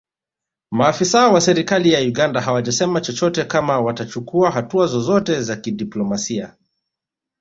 Maafisa wa serikali ya Uganda hawajasema chochote kama watachukua hatua zozote za kidiplomasia